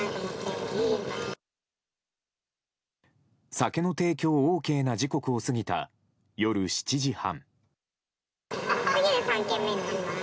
酒の提供ＯＫな時刻を過ぎた夜７時半。